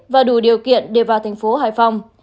và đủ điều kiện để vào thành phố hải phòng